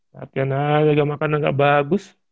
latihan aja makanan gak bagus